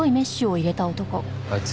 あいつ。